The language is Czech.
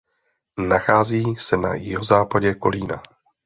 Nachází se na jihozápadě Kolína.